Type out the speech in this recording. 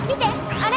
あれ！